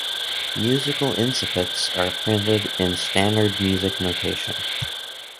Musical incipits are printed in standard music notation.